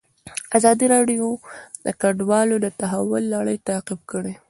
ازادي راډیو د کډوال د تحول لړۍ تعقیب کړې.